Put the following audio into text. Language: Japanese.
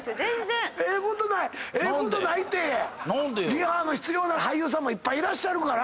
リハ必要な俳優さんもいっぱいいらっしゃるから。